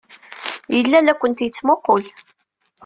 Yella la ken-yettmuqqul.